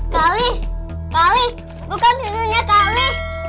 kali kali bukan istrinya kali